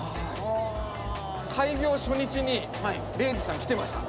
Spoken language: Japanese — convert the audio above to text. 開業初日に礼二さん来てました。